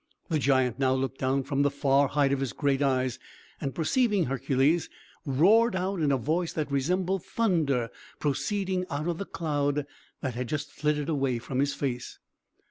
The giant now looked down from the far height of his great eyes, and, perceiving Hercules, roared out, in a voice that resembled thunder, proceeding out of the cloud that had just flitted away from his face.